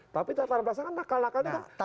tapi tataran pelaksanaan nakal nakalnya kan